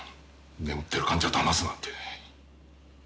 眠ってる患者と話すなんて。